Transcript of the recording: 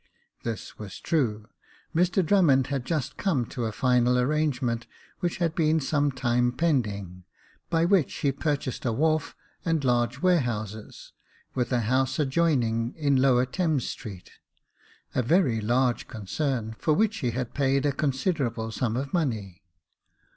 This was true 5 Jacob Faithful 145 Mr Di"ummond had just come to a final arrangement, which had been some time pending, by which he purchased a wharf and large warehouses, with a house adjoining in Lower Thames Street — a very large concern, for which he had paid a considerable sum of money.